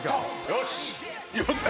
よし！